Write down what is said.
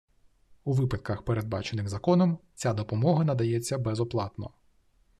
У випадках, передбачених законом, ця допомога надається безоплатно